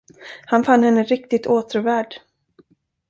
Han fann henne riktigt åtråvärd.